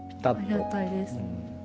ありがたいです。